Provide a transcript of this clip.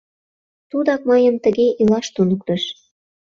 Тудак мыйым тыге илаш туныктыш.